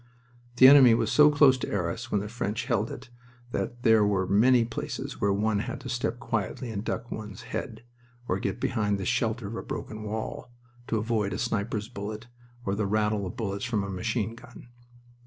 The enemy was so close to Arras when the French held it that there were many places where one had to step quietly and duck one's head, or get behind the shelter of a broken wall, to avoid a sniper's bullet or the rattle of bullets from a machine gun.